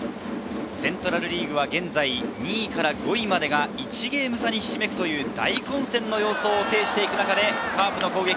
セントラルリーグは現在２位から５位までが１ゲーム差にひしめくという大混戦の様子を呈しています。